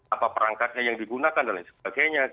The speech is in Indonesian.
apa perangkatnya yang digunakan dan lain sebagainya